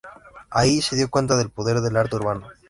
Ahí se dio cuenta del poder del arte urbano.